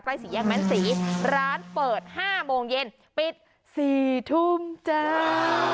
ใกล้สี่แยกแม่นสีร้านเปิดห้าโมงเย็นปิดสี่ทุ่มจ้า